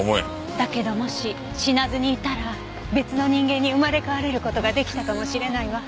だけどもし死なずにいたら別の人間に生まれ変われる事が出来たかもしれないわ。